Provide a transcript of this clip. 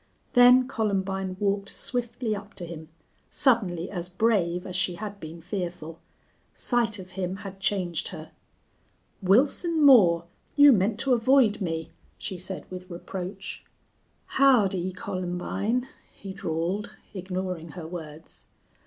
Then Columbine walked swiftly up to him, suddenly as brave as she had been fearful. Sight of him had changed her. "Wilson Moore, you meant to avoid me," she said, with reproach. "Howdy, Columbine!" he drawled, ignoring her words.